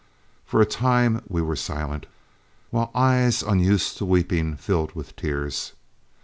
For a time we were silent, while eyes unused to weeping filled with tears.